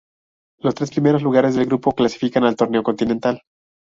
Los tres primeros lugares del grupo clasifican al torneo continental.